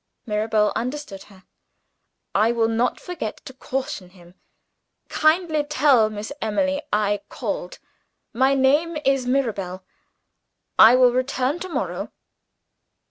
Mirabel understood her. "I will not forget to caution him. Kindly tell Miss Emily I called my name is Mirabel. I will return to morrow."